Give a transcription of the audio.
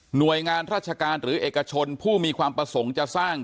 หน่วยงานราชการหรือเอกชนผู้มีความประสงค์จะสร้าง